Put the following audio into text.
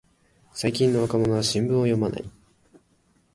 最近の若者は新聞を読まない